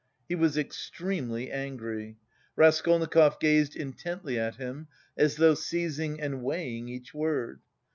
He was extremely angry. Raskolnikov gazed intently at him, as though seizing and weighing each word.